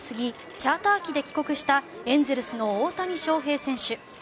チャーター機で帰国したエンゼルスの大谷翔平選手。